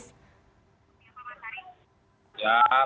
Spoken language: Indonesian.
seperti apa mas haris